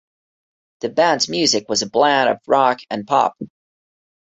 The band's music was a blend of rock and pop.